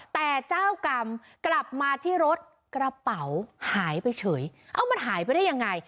แต่เจ้ากรรมกลับมาที่รถกระเป๋าหายไปเฉยเอ้ามันหายไปได้ยังไง